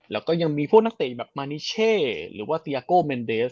แล้วก็ยังมีพวกนักเตะแบบมานิเช่หรือว่าเตียโก้เมนเดฟ